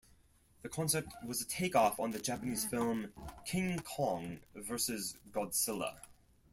The concept was a take-off on the Japanese film, King Kong Versus Godzilla.